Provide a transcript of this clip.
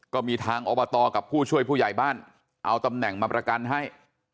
ก็มีทางอบตกับผู้ช่วยผู้ใหญ่บ้านเอาตำแหน่งมาประกันให้